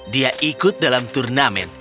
dia ikut dalam turnamen